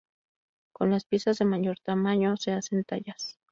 Con las piezas de mayor tamaño se hacen tallas.